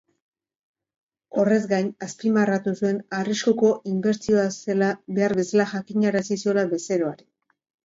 Horrez gain, azpimarratu zuen arriskuko inbertsioa zela behar bezala jakinarazi ziola bezeroari.